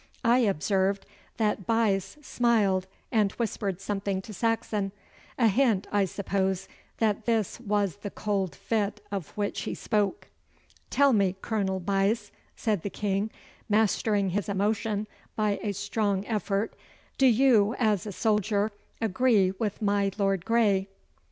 I observed that Buyse smiled and whispered something to Saxon a hint, I suppose, that this was the cold fit of which he spoke. 'Tell me, Colonel Buyse,' said the King, mastering his emotion by a strong effort. 'Do you, as a soldier, agree with my Lord Grey?